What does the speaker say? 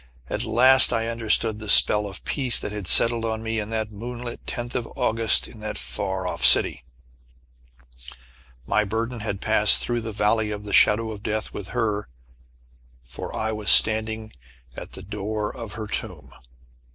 At last I understood the spell of peace that had settled on me in that moonlit tenth of August, in that far off city. My burden had passed through the Valley of the Shadow of Death with her for I was standing at the door of her tomb!